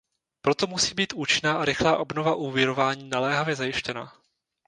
Proto musí být účinná a rychlá obnova úvěrování naléhavě zajištěna.